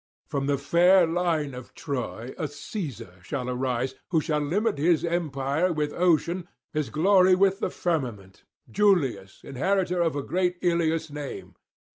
From the fair line of Troy a Caesar shall arise, who shall limit his empire with ocean, his glory with the firmament, Julius, inheritor of great Iülus' name.